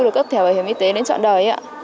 được cấp thẻ bảo hiểm y tế đến trọn đời